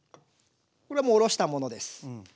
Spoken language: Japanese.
これもおろしたものです。